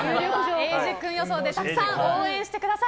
えいじ君予想でたくさん応援してください。